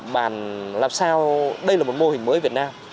mà làm sao đây là một mô hình mới việt nam